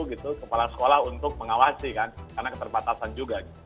kepala sekolah untuk mengawasi kan karena keterbatasan juga